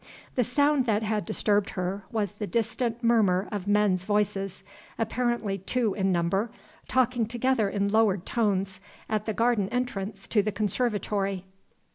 The sound that had disturbed her was the distant murmur of men's voices (apparently two in number) talking together in lowered tones, at the garden entrance to the conservatory.